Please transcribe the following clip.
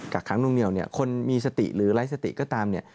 กค้างนุ่งเหนียวเนี่ยคนมีสติหรือไร้สติก็ตามเนี่ย